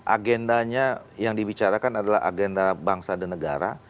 agendanya yang dibicarakan adalah agenda bangsa dan negara